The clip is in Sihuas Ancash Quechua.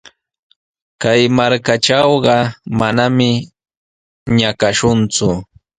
Kay markaatrawqa manami ñakashunku.